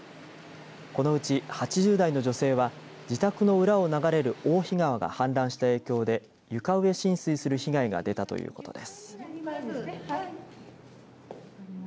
このうち、８０代の女性は自宅の裏を流れる大肥川が氾濫した影響で床上浸水する被害が出たということです。